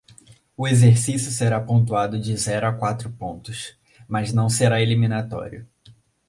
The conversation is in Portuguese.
O exercício será pontuado de zero a quatro pontos, mas não será eliminatório.